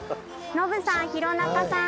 ノブさん弘中さん。